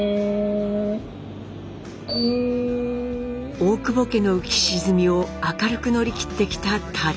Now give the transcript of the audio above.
大久保家の浮き沈みを明るく乗り切ってきたたづ。